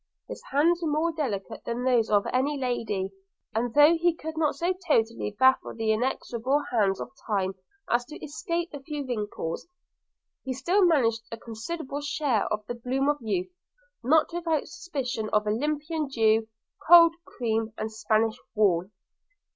His hands were more delicate than those of any lady; and though he could not so totally baffle the inexorable hands of time as to escape a few wrinkles, he still maintained a considerable share of the bloom of youth, not without suspicion of Olympian dew, cold cream, and Spanish wool.